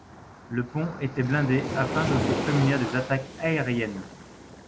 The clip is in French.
Le pont était blindé afin de se prémunir des attaques aériennes.